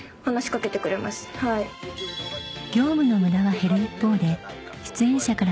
［業務の無駄は減る一方で］